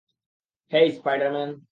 হেই, Spider Man!